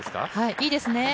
いいですね。